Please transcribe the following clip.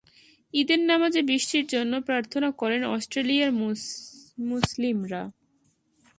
ঈদের নামাজে বৃষ্টির জন্য প্রার্থনা করেন অস্ট্রেলিয়ার মুসলিমরা।